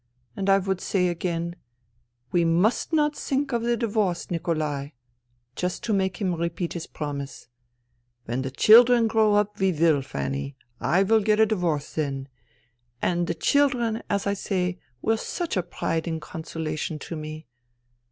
And I would say again :"' We must not think of the divorce, Nikolai '; just to make him repeat his promise. ' When the children grow up we will, Fanny. I will get a divorce then.' "And the children, as I say, were such a pride and consolation to me.